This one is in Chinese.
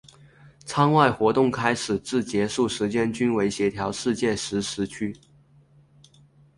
舱外活动开始及结束时间均为协调世界时时区。